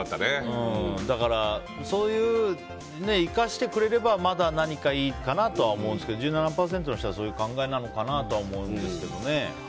だからそうやって生かしてくれればまだ何かいいかなとは思うんですけど１７％の人はそういう考えなのかなと思うんですけどね。